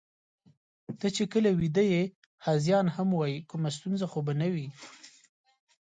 ته چې کله ویده یې، هذیان هم وایې، کومه ستونزه خو به نه وي؟